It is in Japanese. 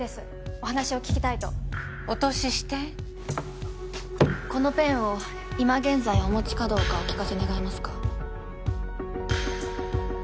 お話を聞きたいとお通ししてこのペンを今現在お持ちかどうかお聞かせ願えますか？